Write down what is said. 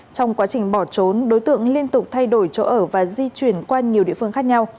trong quá trình bỏ trốn đối tượng liên tục thay đổi chỗ ở và di chuyển qua nhiều địa phương khác nhau